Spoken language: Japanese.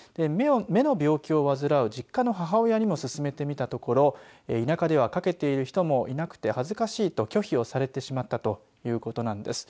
目の病気を患う実家の母親にも勧めてみたところ田舎では、かけている人もいなくて恥ずかしいと拒否をされてしまったということなんです。